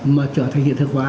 mà trở thành hiện thực hóa